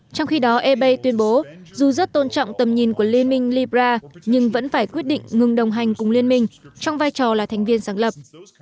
trong khi đó ebay tuyên bố dù rất tôn trọng tầm nhìn của liên minh libra nhưng vẫn phải quyết định ngừng đồng hành cùng liên minh trong vai trò là thành viên sáng lập